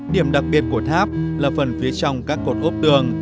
điểm đặc biệt của tháp là phần phía trong các cột ốp tường